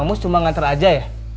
kamus cuma ngantar aja ya